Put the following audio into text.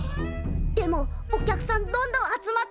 でもお客さんどんどん集まってるよ。